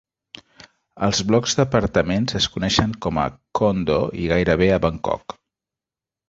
Els blocs d'apartaments es coneixen com a "Con-doh" i gairebé a Bangkok.